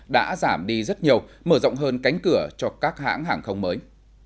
đã giảm đi rất nhiều mở rộng hơn cánh cửa cho các hãng hàng không mới